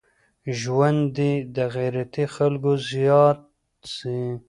ژوند دي د غيرتي خلکو زيات سي.